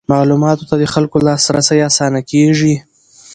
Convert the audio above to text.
معلوماتو ته د خلکو لاسرسی اسانه کیږي.